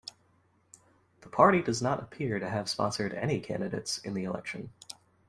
The party does not appear to have sponsored any candidates in the election.